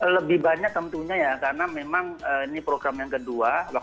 lebih banyak tentunya ya karena memang ini program yang kedua